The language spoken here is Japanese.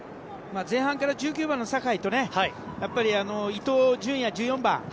前半から１９番の酒井とやっぱり、伊東純也、１４番。